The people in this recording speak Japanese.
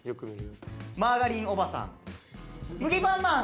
マーガリンおばさん「麦パンマン！！